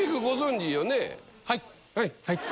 はい。